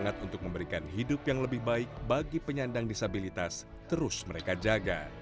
dan mereka juga memberikan hidup yang lebih baik bagi penyandang disabilitas terus mereka jaga